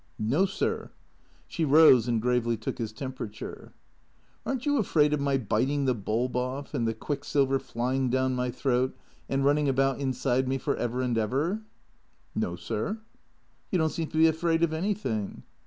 " No, sir." She rose and gravely took his temperature. " Are n't you afraid of my biting the bulb off, and the quick silver flying down my throat, and running about inside me for ever and ever? " "No, sir." " You don't seem to be afraid of anything."